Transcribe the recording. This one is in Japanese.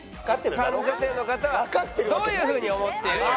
一般女性の方はどういうふうに思っているのか？